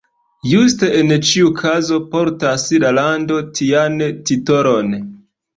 Juste en ĉiu kazo portas la lando tian titolon!